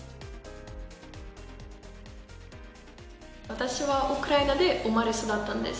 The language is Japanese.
私はウクライナで生まれ育ったんです。